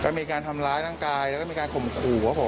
ก็มีการทำร้ายร่างกายแล้วก็มีการข่มขู่ว่าผม